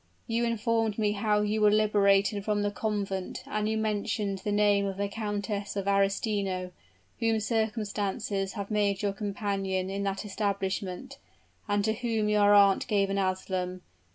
"You informed me how you were liberated from the convent, and you mentioned the name of the Countess of Arestino, whom circumstances had made your companion in that establishment, and to whom your aunt gave an asylum.